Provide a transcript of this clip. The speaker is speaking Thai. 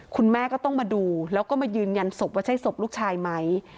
คุณแม่ก็ต้องมาดูแล้วก็มายืนยันศพว่าใช่ศพลูกชายไหม